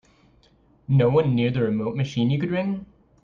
No one near the remote machine you could ring?